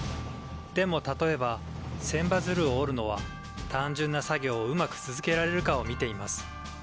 でも例えば千羽鶴を折るのは単純な作業をうまく続けられるかを見ています。